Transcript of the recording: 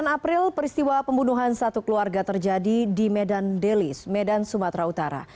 sembilan april peristiwa pembunuhan satu keluarga terjadi di medan delis medan sumatera utara